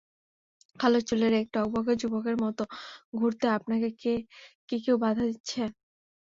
কালো চুলের এক টগবগে যুবকের মতো ঘুরতে আপনাকে কী কেউ বাধা দিচ্ছে?